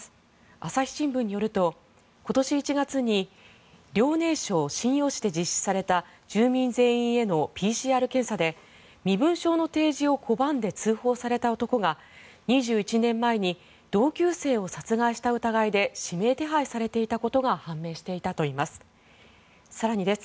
朝日新聞によると今年１月に遼寧省瀋陽市で実施された住民全員へのＰＣＲ検査で身分証の提示を拒んで通報された男が２１年前に同級生を殺害した疑いで指名手配されていたことが判明していたといいます。